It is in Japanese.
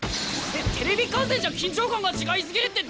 テテレビ観戦じゃ緊張感が違いすぎるってだけや！